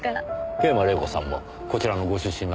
桂馬麗子さんもこちらのご出身なんですか？